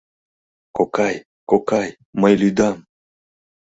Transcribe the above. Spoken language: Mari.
— Кокай, кокай, мый лӱдам!